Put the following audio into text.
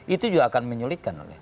itu juga akan menyulitkan